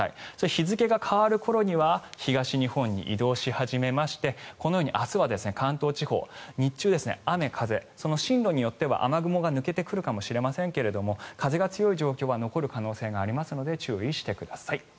日付が変わる頃には東日本に移動し始めましてこのように明日は関東地方日中、雨、風進路によっては雨雲が抜けてくるかもしれませんが風が強い状況は残る可能性がありますので注意してください。